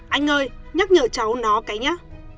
anh ơi nhắc nhở cháu nào